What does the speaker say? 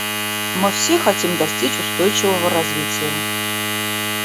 Мы все хотим достичь устойчивого развития.